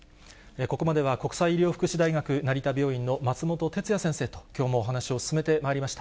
ここまでは、国際医療福祉大学成田病院の松本哲哉先生と、きょうもお話を進めてまいりました。